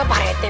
eh pak rete